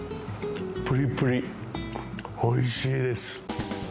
プリプリおいしいです。